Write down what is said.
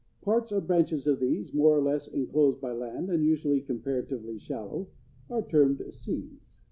Parts or branches of these, more or less inclosed by land and usually comparatively shallow, are termed seas.